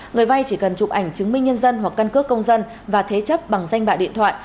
người vay chỉ cần chụp ảnh chứng minh nhân dân hoặc căn cước công dân và thế chấp bằng danh bạ điện thoại